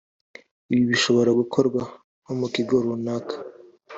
Ibi bishobora gukorwa nko mu kigo runaka